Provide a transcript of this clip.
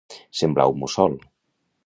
Semblar un mussol.